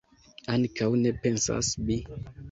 Ankaŭ ne pensas mi.